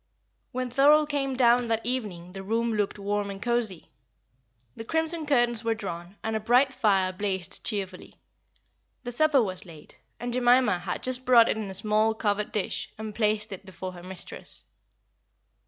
When Thorold came down that evening the room looked warm and cosy. The crimson curtains were drawn, and a bright fire blazed cheerfully. The supper was laid, and Jemima had just brought in a small, covered dish, and placed it before her mistress.